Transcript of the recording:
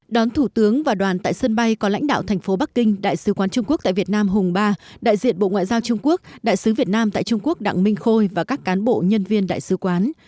đón thủ tướng và đoàn tại sân bay có lãnh đạo thành phố bắc kinh đại sứ quán trung quốc tại việt nam hùng ba đại diện bộ ngoại giao trung quốc đại sứ việt nam tại trung quốc đặng minh khôi và các cán bộ nhân viên đại sứ quán